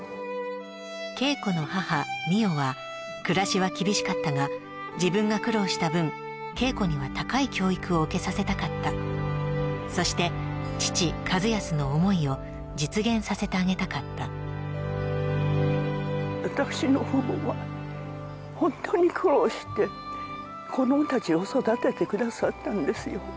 桂子の母・美代は暮らしは厳しかったが自分が苦労した分桂子には高い教育を受けさせたかったそして父・一安の思いを実現させてあげたかった私の父母は本当に苦労して子どもたちを育ててくださったんですよ